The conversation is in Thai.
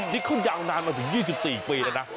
นี่เขายาวนานมาถึง๒๔ปีแล้วนะ